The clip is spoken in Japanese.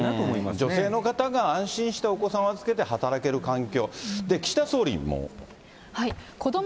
女性の方が安心してお子さんを預けて働ける環境、岸田総理も。